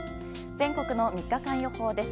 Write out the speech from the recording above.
全国の３日間予報です。